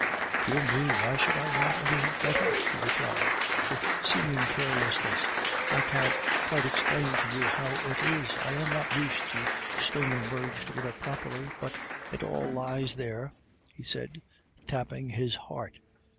"Dear me, why should I want anything better?" he replied, with seeming carelessness. "I can't quite explain to you how it is; I am not used to stringing words together properly, but it all lies there " he said, tapping his heart.